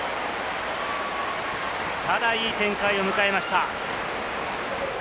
ただ、いい展開を迎えました。